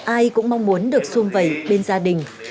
ai cũng mong muốn được xung vầy bên gia đình